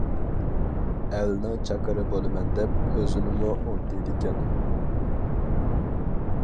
ئەلنىڭ چاكىرى بولىمەن، دەپ ئۆزىنىمۇ ئۇنتۇيدىكەن.